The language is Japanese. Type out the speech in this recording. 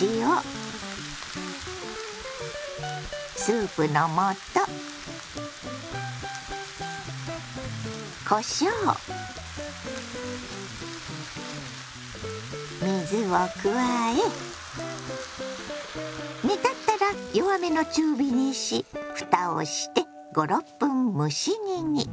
塩スープの素こしょう水を加え煮立ったら弱めの中火にしふたをして５６分蒸し煮に。